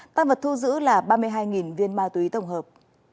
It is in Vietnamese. tăng vật thu giữ là ba mươi hai viên ma túy tổng hợp